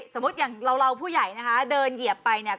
สมมุติอย่างเราผู้ใหญ่นะคะเดินเหยียบไปเนี่ย